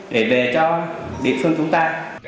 để về cho địa phương chúng ta